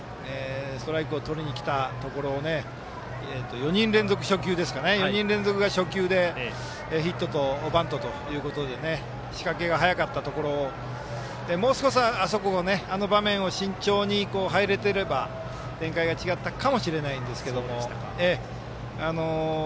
ストライクをとりにきたところを４人連続初球でヒットとバントということで仕掛けが早かったところもう少し、あの場面を慎重に入れてれば展開が違ったかもしれないんですけど。